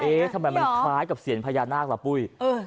ทำไมมันคล้ายกับเสียงพญานาคล่ะปุ้ย